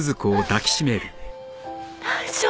大丈夫。